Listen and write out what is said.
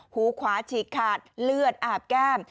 หูขวาฉีกขาดเลือดอาบแก้ม